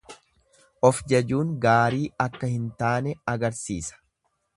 Of jajuun gaarii akka hin taane agarsiisa.